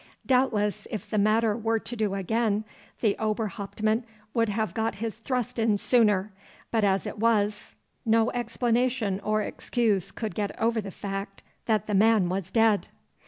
Doubtless if the matter were to do again, the Oberhauptmann would have got his thrust in sooner, but as it was, no explanation or excuse could get over the fact that the man was dead.